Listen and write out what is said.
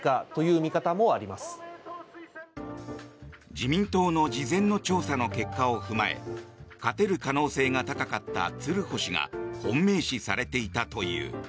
自民党の事前の調査の結果を踏まえ勝てる可能性が高かった鶴保氏が本命視されていたという。